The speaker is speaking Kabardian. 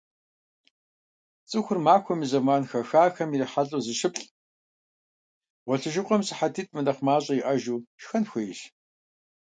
ЦӀыхур махуэм и зэман хэхахэм ирихьэлӀэу зыщыплӏ, гъуэлъыжыгъуэм сыхьэтитӏ мынэхъ мащӀэу иӀэжу, шхэн хуейщ.